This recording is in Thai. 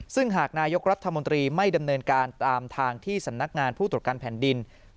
ซึ่งหากนายกรัฐมนตรีไม่ดำเนินการตามทางที่สำนักงานผู้ตรวจการแผ่นดิน